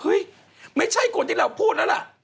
เฮ้ยไม่ใช่กรณ์ที่เราพูดนั่นล่ะ